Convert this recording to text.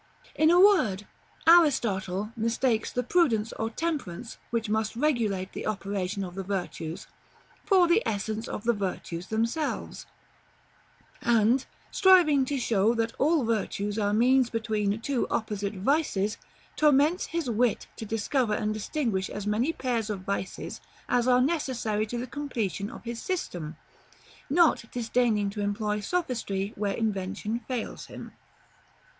In a word, Aristotle mistakes the Prudence or Temperance which must regulate the operation of the virtues, for the essence of the virtues themselves; and, striving to show that all virtues are means between two opposite vices, torments his wit to discover and distinguish as many pairs of vices as are necessary to the completion of his system, not disdaining to employ sophistry where invention fails him.